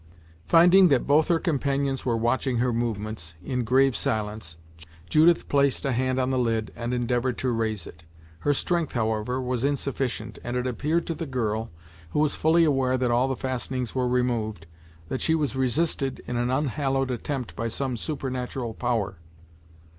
Finding that both her companions were watching her movements, in grave silence, Judith placed a hand on the lid and endeavored to raise it. Her strength, however, was insufficient, and it appeared to the girl, who was fully aware that all the fastenings were removed, that she was resisted in an unhallowed attempt by some supernatural power.